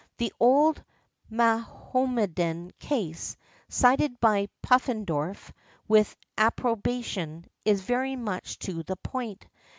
The old Mahomedan case, cited by Puffendorf with approbation, is very much to the point.